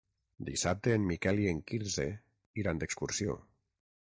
Dissabte en Miquel i en Quirze iran d'excursió.